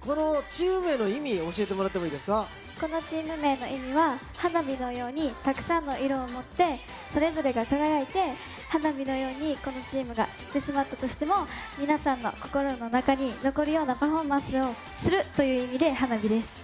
このチーム名の意味は、花火のようにたくさんの色を持って、それぞれが輝いて、花火のようにこのチームが散ってしまったとしても、皆さんの心の中に残るようなパフォーマンスをするという意味で、なるほど。